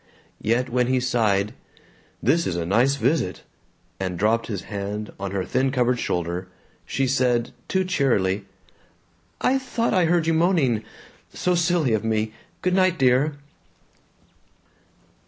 Yet when he sighed, "This is a nice visit," and dropped his hand on her thin covered shoulder, she said, too cheerily, "I thought I heard you moaning. So silly of me. Good night, dear."